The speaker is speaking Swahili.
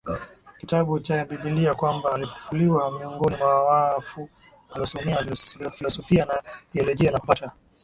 kitabu cha bibilia kwamba alifufuliwa miongoni mwa wafuAlisomea filosofia na thiolojia na kupata